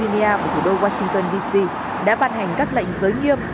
các bang arizona maryland virginia và thủ đô washington dc đã bàn hành các lệnh giới nghiêm